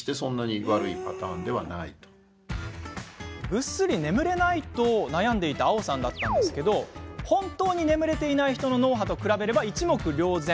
ぐっすり眠れないと悩んでいたあおさんでしたが本当に眠れていない人の脳波と比べれば一目瞭然。